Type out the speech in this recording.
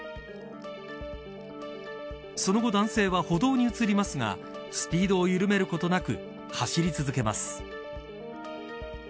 その後男性は、歩道に移りますがスピードを緩めることなく走り続けます。